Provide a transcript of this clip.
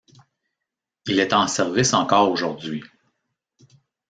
Il est en service encore aujourd'hui.